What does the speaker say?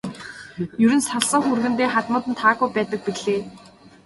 Ер нь салсан хүргэндээ хадмууд нь таагүй байдаг билээ.